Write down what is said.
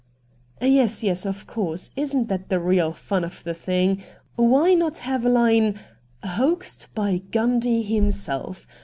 ' Yes, yes, of course ; isn't that the real fun of the thing? Why not have a hne " Hoaxed by Gundy himself?